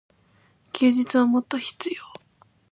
休日はもっと必要。